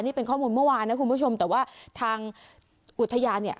นี่เป็นข้อมูลเมื่อวานนะคุณผู้ชมแต่ว่าทางอุทยานเนี่ย